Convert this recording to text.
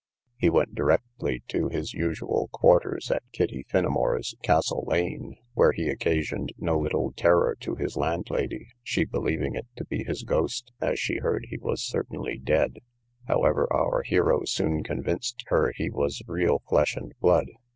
He went directly to his usual quarters, at Kitty Finnimore's, Castle lane, where he occasioned no little terror to his landlady, she believing it to be his ghost, as she heard he was certainly dead; however, our hero soon convinced her he was real flesh and blood.